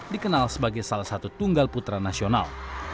dikenal sebagai salah satu tunggal putra nasional